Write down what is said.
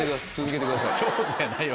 そうじゃないわ。